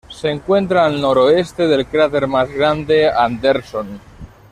Se encuentra al noroeste del cráter más grande Anderson.